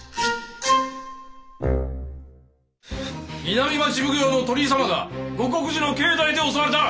南町奉行の鳥居様が護国寺の境内で襲われた。